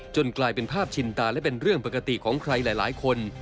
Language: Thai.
กลายเป็นภาพชินตาและเป็นเรื่องปกติของใครหลายคน